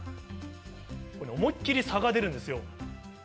思い切り差が出るんですよ。